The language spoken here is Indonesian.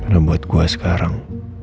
lo buat gue sekarang